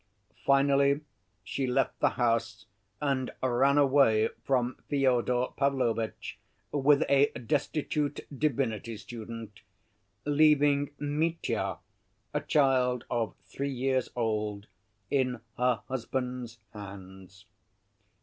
Finally, she left the house and ran away from Fyodor Pavlovitch with a destitute divinity student, leaving Mitya, a child of three years old, in her husband's hands.